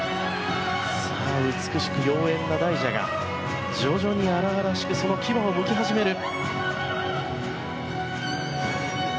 美しく妖艶な大蛇が徐々に荒々しくその牙をむき始める。